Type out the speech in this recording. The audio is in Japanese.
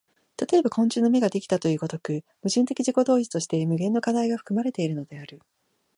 例えば昆虫の眼ができたという如く、矛盾的自己同一として無限の課題が含まれているのである。